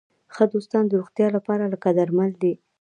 ښه دوستان د روغتیا لپاره لکه درمل دي.